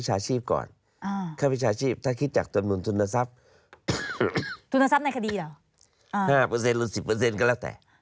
ทุนศัพท์ในคดีเหรออ่า๕เปอร์เซนต์ลง๑๐เปอร์เซ็นต์ก็แล้วแต่